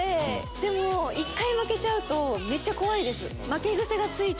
でも１回負けちゃうとめちゃ怖いです。